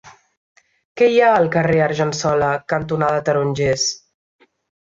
Què hi ha al carrer Argensola cantonada Tarongers?